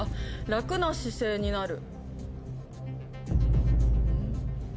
「楽な姿勢になる」。